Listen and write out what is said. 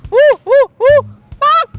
wuh wuh wuh pak